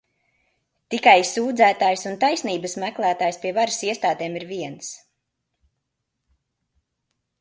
Tikai sūdzētājs un taisnības meklētājs pie varas iestādēm ir viens.